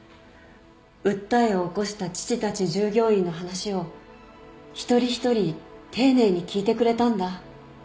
訴えを起こした父たち従業員の話を一人一人丁寧に聞いてくれたんだ。